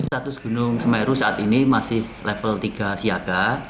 status gunung semeru saat ini masih level tiga siaga